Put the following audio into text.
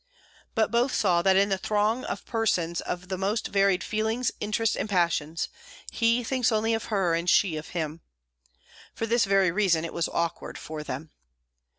But both saw that in that throng of persons of the most varied feelings, interests, and passions, he thinks only of her and she of him. For this very reason it was awkward for them.